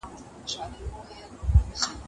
زه اجازه لرم چي ونې ته اوبه ورکړم!